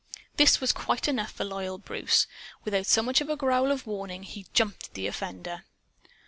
This was quite enough for loyal Bruce. Without so much as a growl of warning, he jumped at the offender.